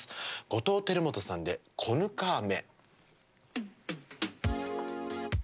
後藤輝基さんで「こぬか雨」。